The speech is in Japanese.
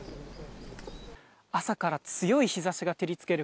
朝から強い日差しが照り付ける